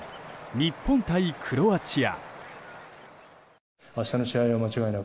日本対クロアチア。